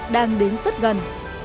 đang đến rất gần